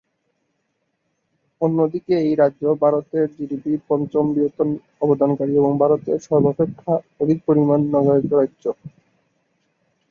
অন্যদিকে এই রাজ্য ভারতের জিডিপি-র পঞ্চম বৃহত্তম অবদানকারী এবং ভারতের সর্বাপেক্ষা অধিক পরিমাণ নগরায়িত রাজ্য।